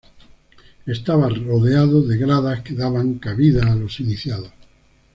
Estaba rodeado de gradas que daban cabida a los iniciados.